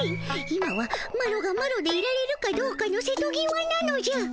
今はマロがマロでいられるかどうかのせとぎわなのじゃ。